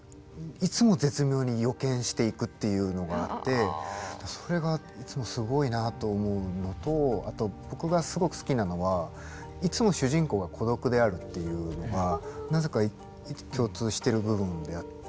いつも絶妙に予見していくっていうのがあってそれがいつもすごいなと思うのとあと僕がすごく好きなのはいつも主人公が孤独であるっていうのがなぜか共通してる部分であって。